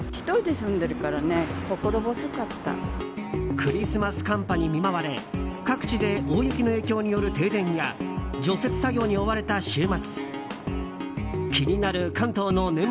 クリスマス寒波に見舞われ各地で大雪の影響による停電や除雪作業に追われた週末。